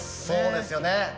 そうですよね。